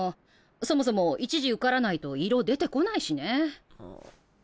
そもそも１次受からないと色出てこないしね。